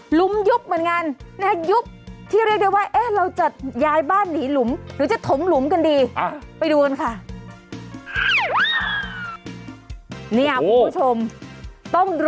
หมูราคา๒๐๐บาทต่อเดือน